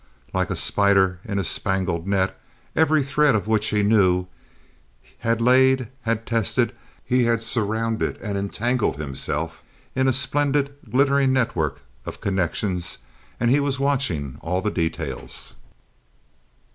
Like a spider in a spangled net, every thread of which he knew, had laid, had tested, he had surrounded and entangled himself in a splendid, glittering network of connections, and he was watching all the details.